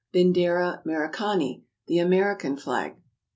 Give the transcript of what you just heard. "Bindera Merikani! "— the American flag.